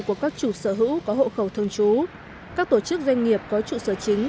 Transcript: của các chủ sở hữu có hộ khẩu thương chú các tổ chức doanh nghiệp có chủ sở chính